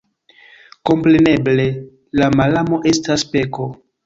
Kompreneble, la malamo estas peko.